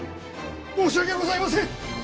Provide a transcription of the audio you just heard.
申し訳ございません！